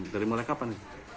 dari mulai kapan